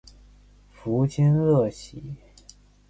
夫金乐琦。